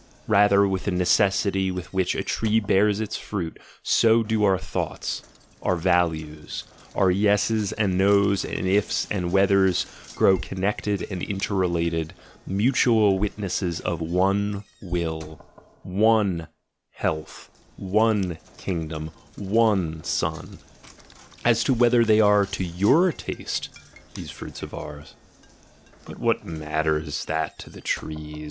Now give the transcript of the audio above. Rather with the necessity with which a tree bears its fruit, so do our thoughts, our values, our Yes's and No's and If's and Whether's, grow connected and interrelated, mutual witnesses of one will, one health, one kingdom, one sun — as to whether they are to your taste, these fruits of ours? — But what matters that to the trees?